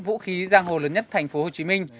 vũ khí sang hổ lớn nhất tp hcm